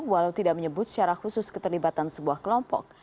walau tidak menyebut secara khusus keterlibatan sebuah kelompok